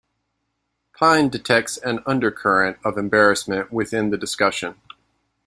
Pyne detects an undercurrent of embarrassment within the discussion.